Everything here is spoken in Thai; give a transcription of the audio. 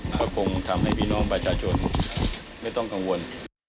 ก็คงทำให้พี่น้องประชาชนไม่ต้องกังวล